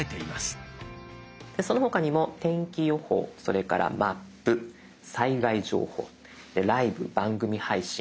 その他にも天気予報それからマップ災害情報ライブ・番組配信